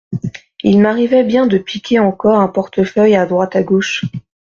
Il m’arrivait bien de piquer encore un portefeuille à droite à gauche